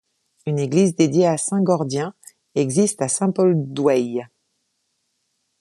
Une église dédiée à saint Gordien existe à Saint-Paul-d'Oueil.